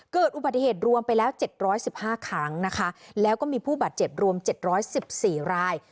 เกิดอุบัติเหตุรวมไปแล้ว๗๑๕ครั้งนะคะแล้วก็มีผู้บาดเจ็บรวม๗๑๔ราย